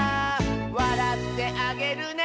「わらってあげるね」